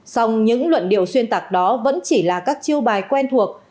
song những luận điệu xuyên tạc đó vẫn chỉ là các chiêu bài quen thuộc